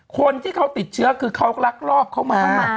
คนที่เขาติดเชื้อคือเขาลักลอบเข้ามา